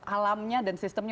alamnya dan sistemnya